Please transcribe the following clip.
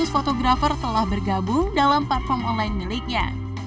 tiga ratus fotografer telah bergabung dalam platform online miliknya